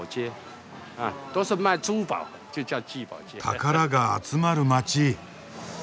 宝が集まる街！